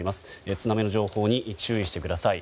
津波の情報に注意してください。